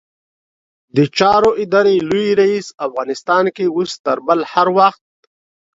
د چارو ادارې لوی رئيس؛ افغانستان کې اوس تر بل هر وخت